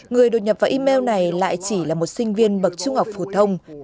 người đột nhập vào email này lại chỉ là một sinh viên bậc trung học phổ thông